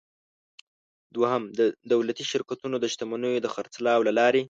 دوهم: د دولتي شرکتونو د شتمنیو د خرڅلاو له لارې.